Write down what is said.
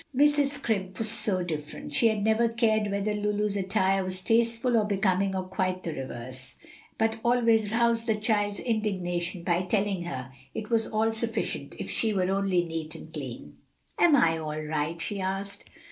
Mrs. Scrimp was so different; she had never cared whether Lulu's attire was tasteful and becoming or quite the reverse, but always roused the child's indignation by telling her it was all sufficient if she were only neat and clean. "Am I all right?" she asked.